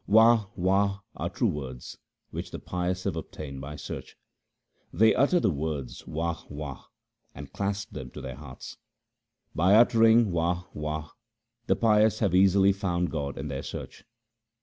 Wah ! Wah ! are true words which the pious have ob tained by search : They utter the words Wah ! Wah ! and clasp them to their hearts. By uttering Wah ! Wah ! the pious have easily found God in their search.